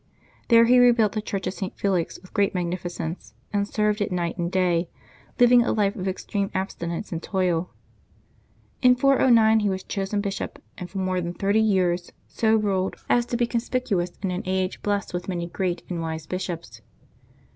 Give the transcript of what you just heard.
There he rebuilt the Church of St. Felix with great magnificence, and served it night and day, living a life of extreme abstinence and toil. In 409 he was chosen bishop, and for more than thirty years so ruled as to 226 LIVES OF THE SAINTS [June 23 he conspicuous in an age blessed with many great and wise bishops.